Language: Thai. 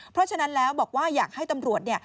เพราะฉะนั้นแล้วบอกว่าอยากให้ตำรวจเนี่ย